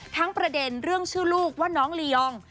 ประเด็นเรื่องชื่อลูกว่าน้องลียอง